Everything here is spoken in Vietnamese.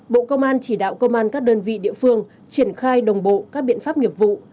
bộ công an chỉ đạo công an các đơn vị địa phương triển khai đồng bộ các biện pháp nghiệp vụ